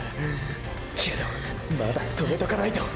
けどまだ止めとかないと！！